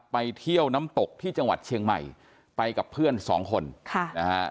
ไปเที่ยวน้ำตกที่จังหวัดเชียงใหม่ไปกับเพื่อนสองคนค่ะนะฮะ